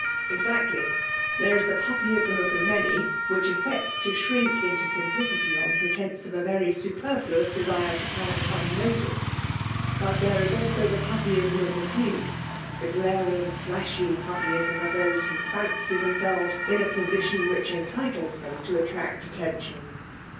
" ^Exactly ! There is the puppyism of the ix^ny, which affects to shrink into simplicity, QX^ pretence of a very superfluous desire to pass l^nnoticed. But there is also the puppyism of tjxe. few, — the glaring, flashy puppyism of those who fancy themselves in a position which eutitlea them to attract attention.